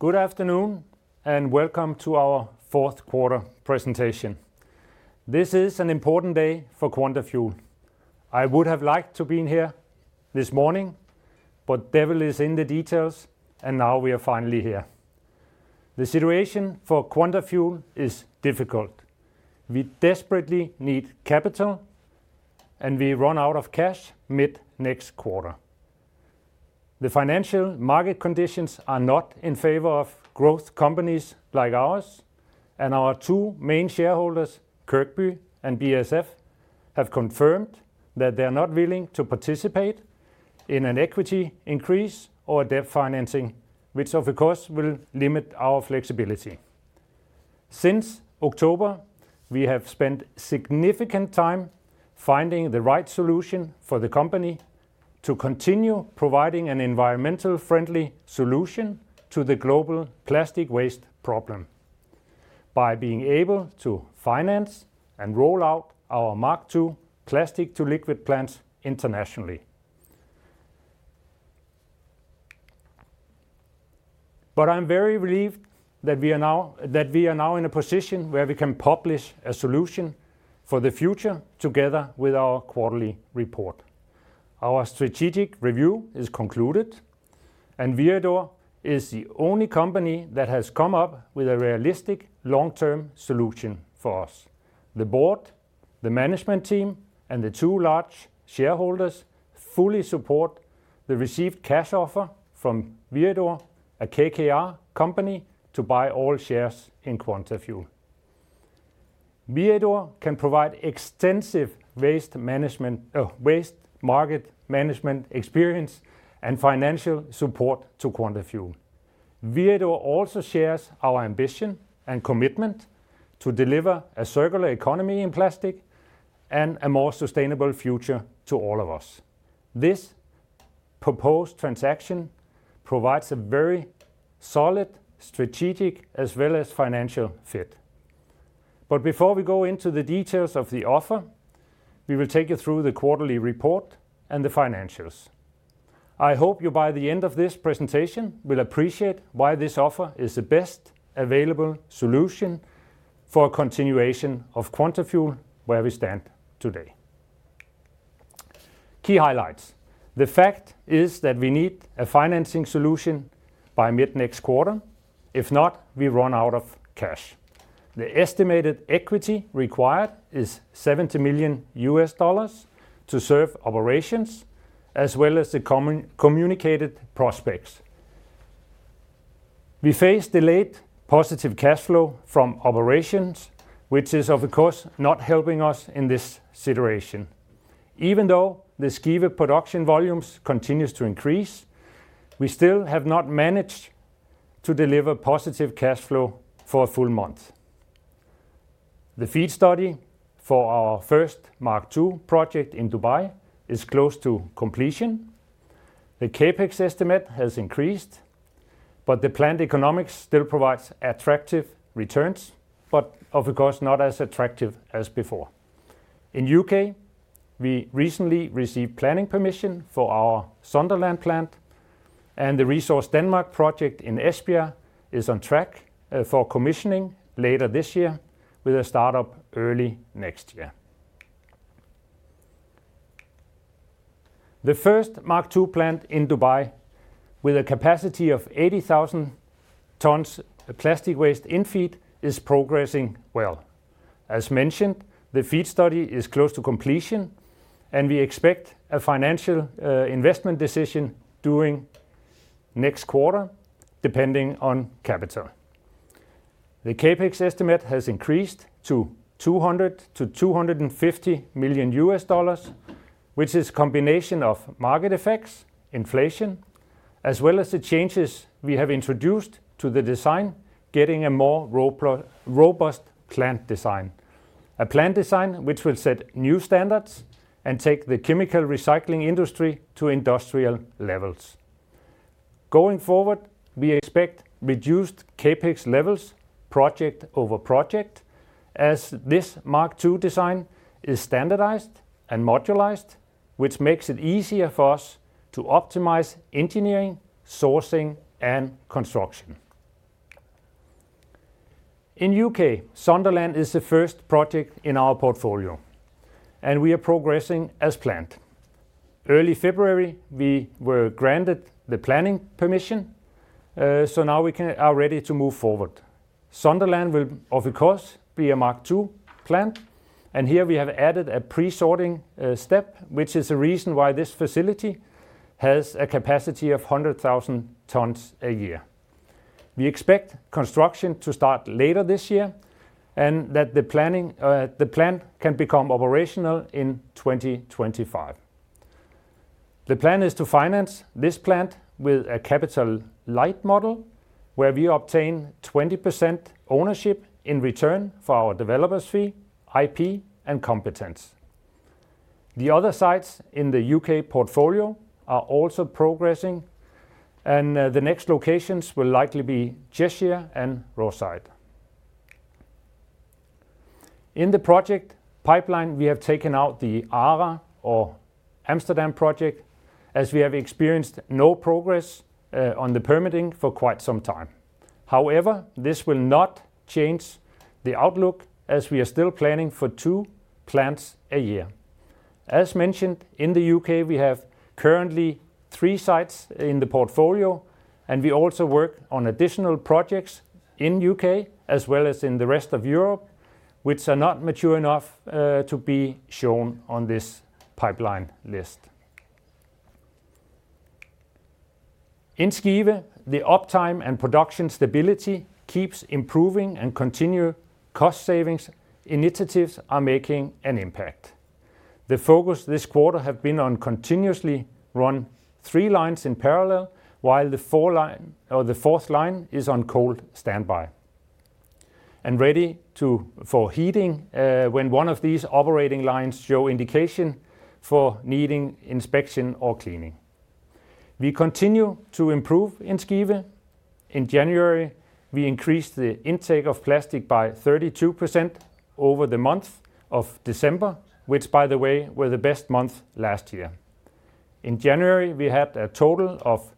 Good afternoon, and welcome to our fourth quarter presentation. This is an important day for Quantafuel. I would have liked to been here this morning, but devil is in the details, and now we are finally here. The situation for Quantafuel is difficult. We desperately need capital, and we run out of cash mid next quarter. The financial market conditions are not in favor of growth companies like ours and our two main shareholders, and BASF, have confirmed that they are not willing to participate in an equity increase or a debt financing, which of course will limit our flexibility. Since October, we have spent significant time finding the right solution for the company to continue providing an environmental friendly solution to the global plastic waste problem by being able to finance and roll out our MK II plastic-to-liquid plants internationally. I'm very relieved that we are now in a position where we can publish a solution for the future together with our quarterly report. Our strategic review is concluded and Viridor is the only company that has come up with a realistic long-term solution for us. The board, the management team, and the two large shareholders fully support the received cash offer from Viridor, a KKR company, to buy all shares in Quantafuel. Viridor can provide extensive waste management, waste market management experience and financial support to Quantafuel. Viridor also shares our ambition and commitment to deliver a circular economy in plastic and a more sustainable future to all of us. This proposed transaction provides a very solid strategic as well as financial fit. Before we go into the details of the offer, we will take you through the quarterly report and the financials. I hope you, by the end of this presentation, will appreciate why this offer is the best available solution for continuation of Quantafuel, where we stand today. Key highlights. The fact is that we need a financing solution by mid next quarter. If not, we run out of cash. The estimated equity required is $70 million to serve operations, as well as the common communicated prospects. We face delayed positive cash flow from operations, which is of course not helping us in this situation. Even though the Skive production volumes continues to increase, we still have not managed to deliver positive cash flow for a full month. The FEED study for our first MK II project in Dubai is close to completion. The CapEx estimate has increased, but the planned economics still provides attractive returns, but of course not as attractive as before. In U.K., we recently received planning permission for our Sunderland plant and the ReSource Denmark project in Esbjerg is on track for commissioning later this year with a startup early next year. The first MK II plant in Dubai with a capacity of 80,000 tons plastic waste in FEED is progressing well. As mentioned, the FEED study is close to completion, and we expect a financial investment decision during next quarter, depending on capital. The CapEx estimate has increased to $200 million-$250 million, which is combination of market effects, inflation, as well as the changes we have introduced to the design, getting a more robust plant design. A plant design which will set new standards and take the chemical recycling industry to industrial levels. Going forward, we expect reduced CapEx levels project over project as this MK II design is standardized and modularized, which makes it easier for us to optimize engineering, sourcing, and construction. In U.K., Sunderland is the first project in our portfolio, and we are progressing as planned. Early February, we were granted the planning permission, so now we are ready to move forward. Sunderland will of course be a MK II plant, and here we have added a pre-sorting step, which is the reason why this facility has a capacity of 100,000 tons a year. We expect construction to start later this year and that the planning, the plant can become operational in 2025. The plan is to finance this plant with a capital-light model where we obtain 20% ownership in return for our developers fee, IP, and competence. The other sites in the U.K. portfolio are also progressing and the next locations will likely be Cheshire and Rosyth. In the project pipeline, we have taken out the ARA or Amsterdam project as we have experienced no progress on the permitting for quite some time. However, this will not change the outlook as we are still planning for 2 plants a year. As mentioned, in the U.K. we have currently 3 sites in the portfolio, and we also work on additional projects in U.K. as well as in the rest of Europe, which are not mature enough to be shown on this pipeline list. In Skive, the uptime and production stability keeps improving and continue cost savings initiatives are making an impact. The focus this quarter have been on continuously run three lines in parallel, while the fourth line is on cold standby and ready for heating when one of these operating lines show indication for needing inspection or cleaning. We continue to improve in Skive. In January, we increased the intake of plastic by 32% over the month of December, which by the way, were the best month last year. In January, we had a total of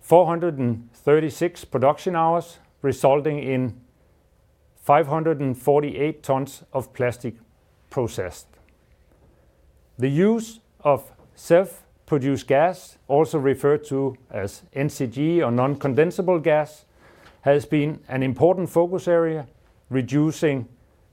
436 production hours, resulting in 548 tons of plastic processed. The use of self-produced gas, also referred to as NCG or non-condensable gas, has been an important focus area, reducing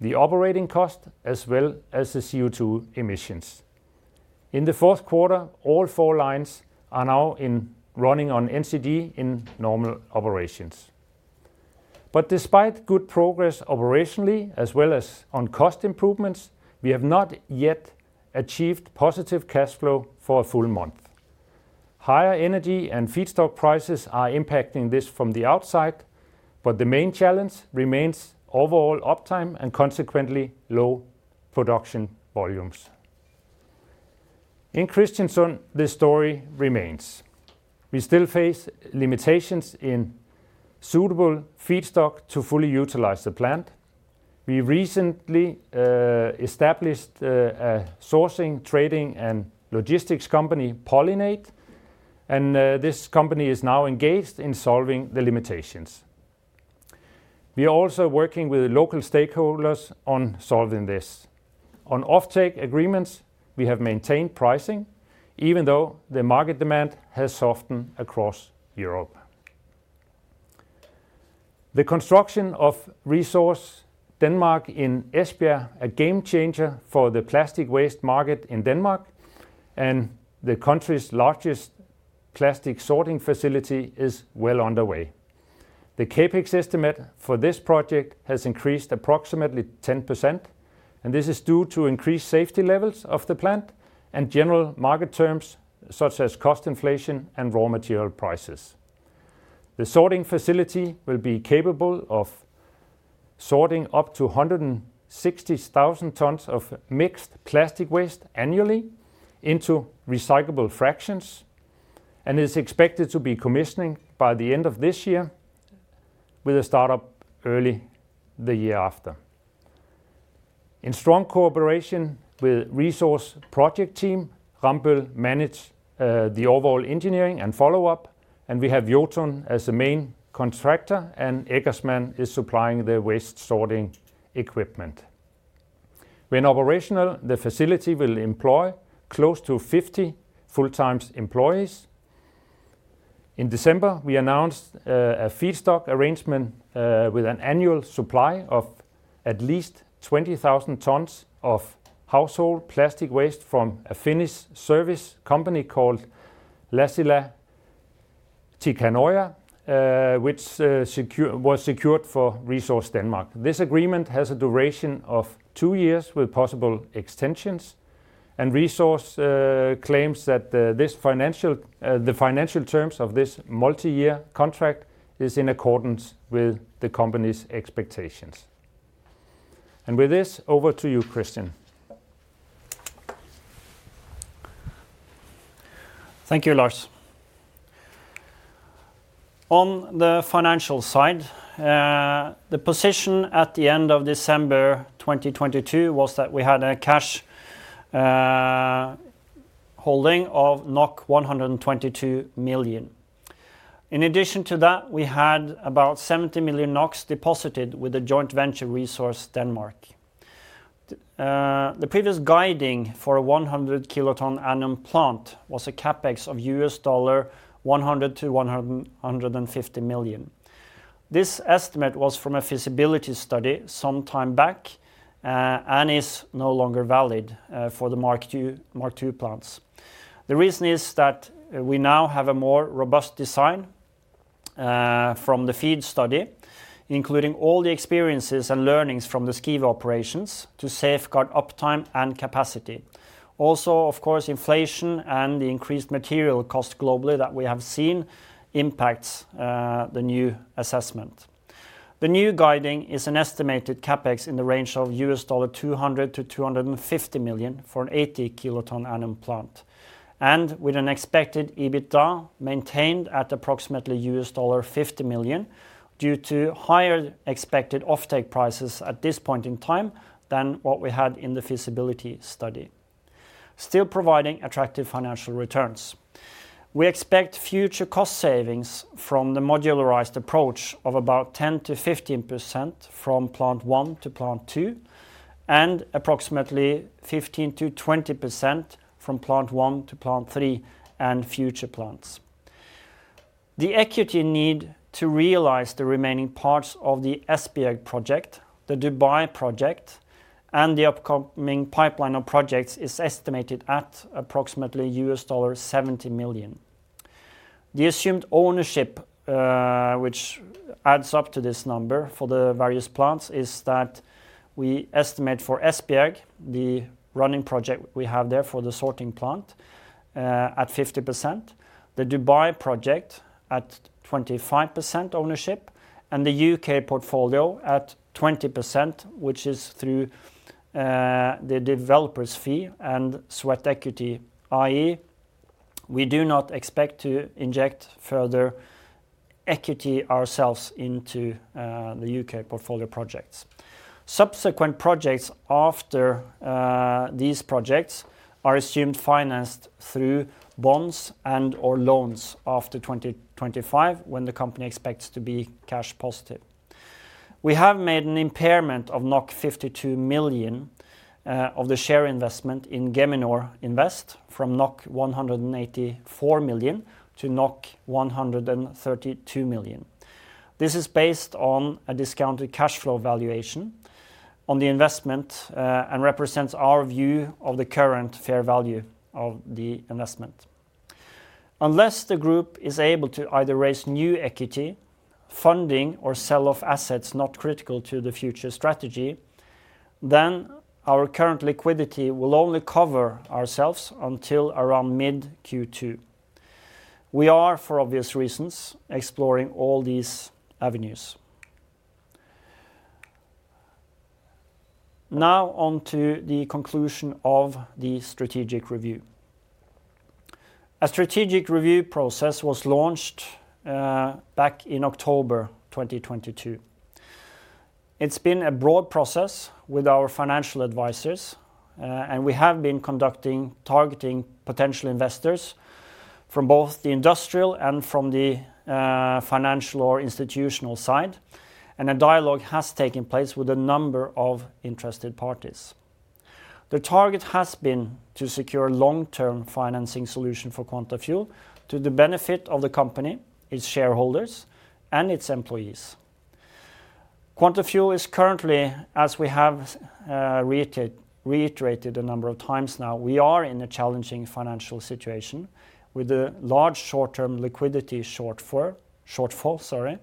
the operating cost as well as the CO2 emissions. In the fourth quarter, all four lines are now in running on NCG in normal operations. Despite good progress operationally as well as on cost improvements, we have not yet achieved positive cash flow for a full month. Higher energy and feedstock prices are impacting this from the outside, but the main challenge remains overall uptime and consequently low production volumes. In Kristiansand, the story remains. We still face limitations in suitable feedstock to fully utilize the plant. We recently established a sourcing, trading, and logistics company, Polynate, and this company is now engaged in solving the limitations. We are also working with local stakeholders on solving this. On offtake agreements, we have maintained pricing even though the market demand has softened across Europe. The construction of ReSource Denmark in Esbjerg, a game changer for the plastic waste market in Denmark and the country's largest plastic sorting facility, is well underway. The CapEx estimate for this project has increased approximately 10%, and this is due to increased safety levels of the plant and general market terms such as cost inflation and raw material prices. The sorting facility will be capable of sorting up to 160,000 tons of mixed plastic waste annually into recyclable fractions, and is expected to be commissioning by the end of this year with a startup early the year after. In strong cooperation with ReSource Project Team, Ramboll manage the overall engineering and follow-up, and we have Jotun as the main contractor, and Eggersmann is supplying the waste sorting equipment. When operational, the facility will employ close to 50 full-time employees. In December, we announced a feedstock arrangement with an annual supply of at least 20,000 tons of household plastic waste from a Finnish service company called Lassila & Tikanoja, was secured for ReSource Denmark. This agreement has a duration of two years with possible extensions, ReSource claims that the financial terms of this multi-year contract is in accordance with the company's expectations. With this, over to you, Christian Thank you, Lars. On the financial side, the position at the end of December 2022 was that we had a cash holding of 122 million. In addition to that, we had about 70 million deposited with the joint venture ReSource Denmark. The previous guiding for a 100 kiloton annum plant was a CapEx of $100 million-$150 million. This estimate was from a feasibility study some time back and is no longer valid for the MK II plants. The reason is that we now have a more robust design from the FEED study, including all the experiences and learnings from the Skive operations to safeguard uptime and capacity. Also, of course, inflation and the increased material cost globally that we have seen impacts the new assessment. The new guiding is an estimated CapEx in the range of $200 million-$250 million for an 80-kiloton annum plant, and with an expected EBITDA maintained at approximately $50 million due to higher expected offtake prices at this point in time than what we had in the feasibility study. Still providing attractive financial returns. We expect future cost savings from the modularized approach of about 10%-15% from plant 1 to plant 2, and approximately 15%-20% from plant 1 to plant 3 and future plants. The equity need to realize the remaining parts of the Esbjerg Project, the Dubai project, and the upcoming pipeline of projects is estimated at approximately $70 million. The assumed ownership, which adds up to this number for the various plants is that we estimate for Esbjerg, the running project we have there for the sorting plant, at 50%, the Dubai project at 25% ownership, and the UK portfolio at 20%, which is through the developer's fee and sweat equity, i.e., we do not expect to inject further equity ourselves into the UK portfolio projects. Subsequent projects after these projects are assumed financed through bonds and or loans after 2025 when the company expects to be cash positive. We have made an impairment of 52 million of the share investment in Geminor Invest from 184 million to 132 million. This is based on a discounted cash flow valuation on the investment and represents our view of the current fair value of the investment. Unless the group is able to either raise new equity funding or sell off assets not critical to the future strategy, then our current liquidity will only cover ourselves until around mid Q2. We are, for obvious reasons, exploring all these avenues. On to the conclusion of the strategic review. A strategic review process was launched back in October 2022. It's been a broad process with our financial advisors, and we have been targeting potential investors from both the industrial and from the financial or institutional side, and a dialogue has taken place with a number of interested parties. The target has been to secure long-term financing solution for Quantafuel to the benefit of the company, its shareholders, and its employees. Quantafuel is currently, as we have reiterated a number of times now, we are in a challenging financial situation with a large short-term liquidity shortfall, sorry,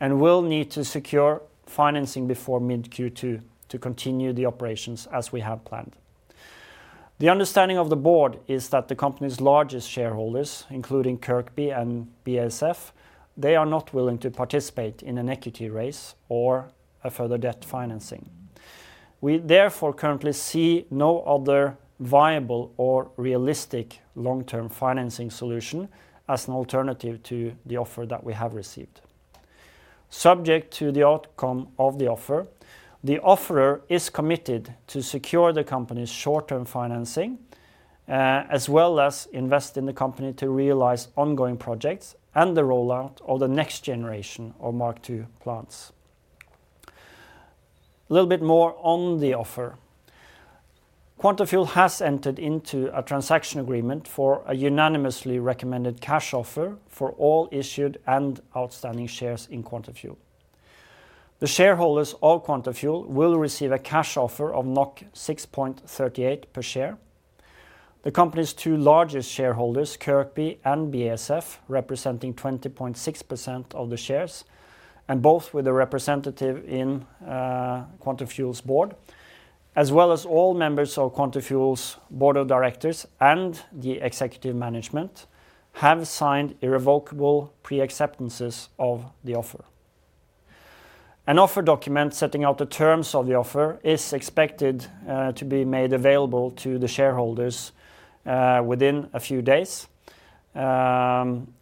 and will need to secure financing before mid Q2 to continue the operations as we have planned. The understanding of the board is that the company's largest shareholders, including and BASF, they are not willing to participate in an equity raise or a further debt financing. We therefore currently see no other viable or realistic long-term financing solution as an alternative to the offer that we have received. Subject to the outcome of the offer, the offer is committed to secure the company's short-term financing, as well as invest in the company to realize ongoing projects and the rollout of the next generation of MK II plants. A little bit more on the offer. Quantafuel has entered into a transaction agreement for a unanimously recommended cash offer for all issued and outstanding shares in Quantafuel. The shareholders of Quantafuel will receive a cash offer of 6.38 per share. The company's two largest shareholders, KIRKBI and BASF, representing 20.6% of the shares, and both with a representative in Quantafuel's board, as well as all members of Quantafuel's board of directors and the executive management, have signed irrevocable pre-acceptances of the offer. An offer document setting out the terms of the offer is expected to be made available to the shareholders within a few days, and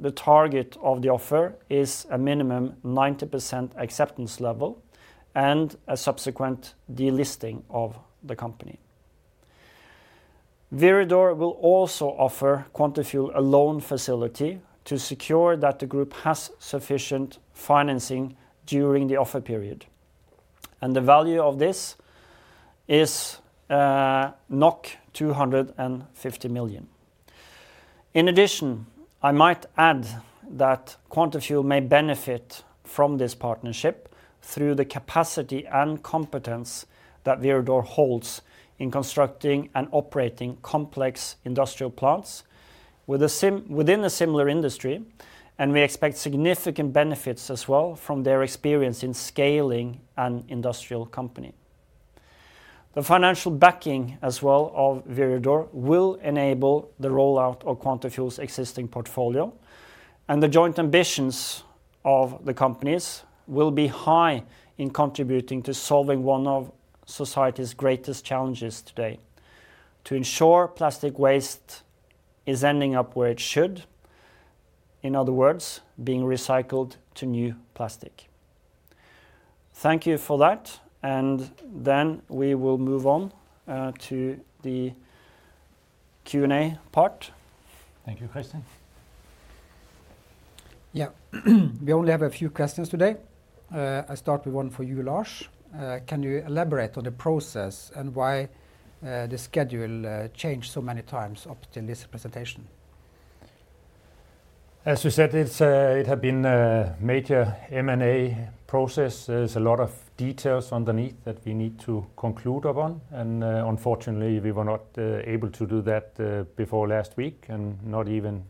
the target of the offer is a minimum 90% acceptance level and a subsequent delisting of the company. Viridor will also offer Quantafuel a loan facility to secure that the group has sufficient financing during the offer period, and the value of this is 250 million. In addition, I might add that Quantafuel may benefit from this partnership through the capacity and competence that Viridor holds in constructing and operating complex industrial plants within a similar industry, and we expect significant benefits as well from their experience in scaling an industrial company. The financial backing as well of Viridor will enable the rollout of Quantafuel's existing portfolio. The joint ambitions of the companies will be high in contributing to solving one of society's greatest challenges today, to ensure plastic waste is ending up where it should. In other words, being recycled to new plastic. Thank you for that. We will move on to the Q&A part. Thank you, Christian. Yeah. We only have a few questions today. I start with one for you, Lars. Can you elaborate on the process and why, the schedule, changed so many times up till this presentation? As you said, it's, it had been a major M&A process. There's a lot of details underneath that we need to conclude upon. Unfortunately we were not able to do that before last week and not even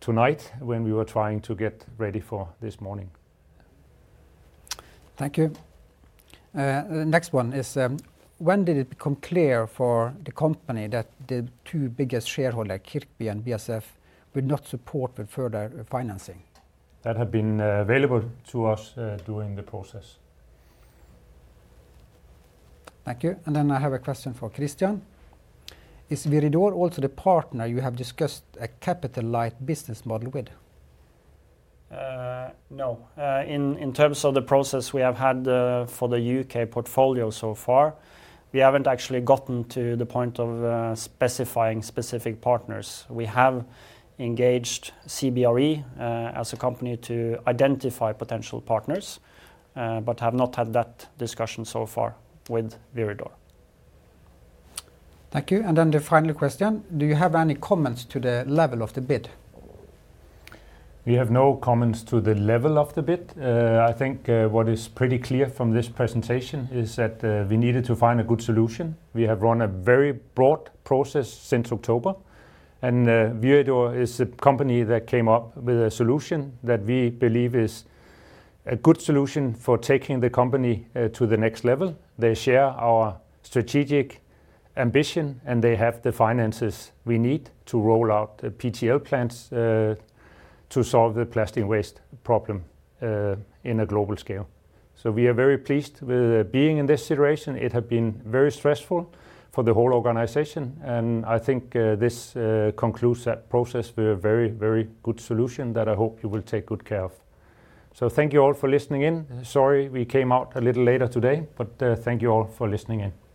tonight when we were trying to get ready for this morning. Thank you. The next one is, when did it become clear for the company that the two biggest shareholder, KIRKBI and BASF, would not support the further financing? That had been available to us, during the process. Thank you. I have a question for Christian. Is Viridor also the partner you have discussed a capital-light model with? No. In terms of the process we have had for the U.K. portfolio so far, we haven't actually gotten to the point of specifying specific partners. We have engaged CBRE as a company to identify potential partners, but have not had that discussion so far with Viridor. Thank you. The final question, do you have any comments to the level of the bid? We have no comments to the level of the bid. I think what is pretty clear from this presentation is that we needed to find a good solution. We have run a very broad process since October, and Viridor is a company that came up with a solution that we believe is a good solution for taking the company to the next level. They share our strategic ambition, and they have the finances we need to roll out the PTL plants to solve the plastic waste problem in a global scale. We are very pleased with being in this situation. It had been very stressful for the whole organization, and I think this concludes that process with a very, very good solution that I hope you will take good care of. Thank you all for listening in. Sorry we came out a little later today, thank you all for listening in.